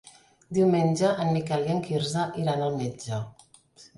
Diumenge en Miquel i en Quirze iran al metge.